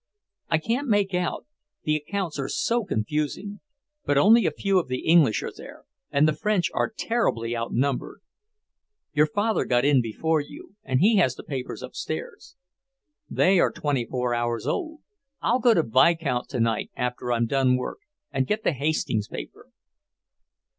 "I can't make out. The accounts are so confusing. But only a few of the English are there, and the French are terribly outnumbered. Your father got in before you, and he has the papers upstairs." "They are twenty four hours old. I'll go to Vicount tonight after I'm done work, and get the Hastings paper."